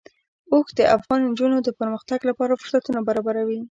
اوښ د افغان نجونو د پرمختګ لپاره فرصتونه برابروي.